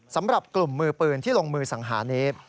สำหรับกลุ่มมือปืนที่ลงมือสังหานี้